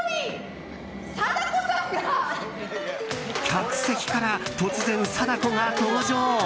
客席から突然、貞子が登場！